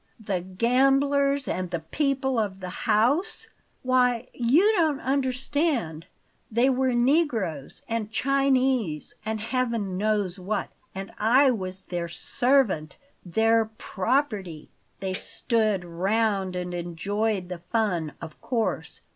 The gamblers and the people of the house? Why, you don't understand! They were negroes and Chinese and Heaven knows what; and I was their servant THEIR PROPERTY. They stood round and enjoyed the fun, of course.